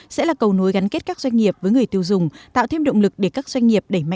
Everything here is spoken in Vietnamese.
xin chào và hẹn gặp lại